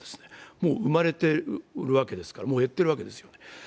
もう生まれてるわけですから、減ってるわけです。